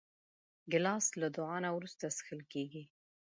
ګیلاس له دعا نه وروسته څښل کېږي.